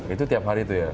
itu tiap hari itu ya